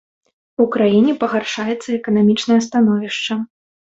У краіне пагаршаецца эканамічнае становішча.